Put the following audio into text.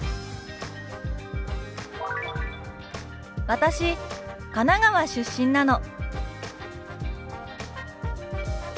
「私神奈川出身なの」。